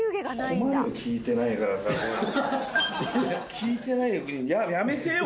聞いてないやめてよ